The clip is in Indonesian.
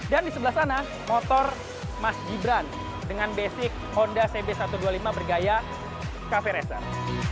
dan di sebelah sana motor mas gibran dengan basic honda cb satu ratus dua puluh lima bergaya cafe racer